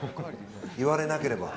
言われなければ。